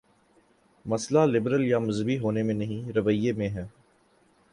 مسئلہ لبرل یا مذہبی ہو نے میں نہیں، رویے میں ہے۔